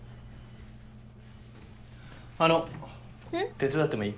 手伝ってもいい？